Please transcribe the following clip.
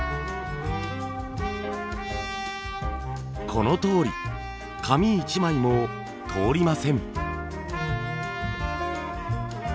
このとおり紙一枚も通りません。